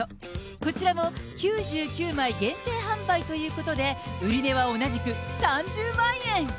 こちらも９９枚限定販売ということで、売値は同じく３０万円。